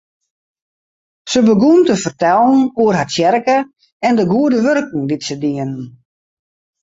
Se begûn te fertellen oer har tsjerke en de goede wurken dy't se dienen.